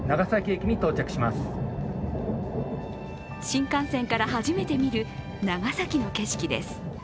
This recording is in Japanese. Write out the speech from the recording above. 新幹線から初めて見る長崎の景色です。